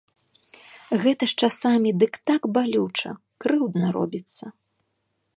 Гэта ж часамі дык так балюча, крыўдна робіцца.